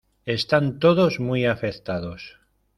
Están todos muy afectados.